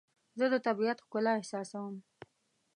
زه د طبیعت ښکلا احساسوم.